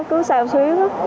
cứ sao xuyến á